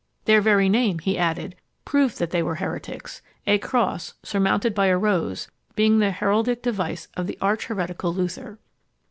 Their very name, he added, proved that they were heretics; a cross surmounted by a rose being the heraldic device of the arch heretic Luther.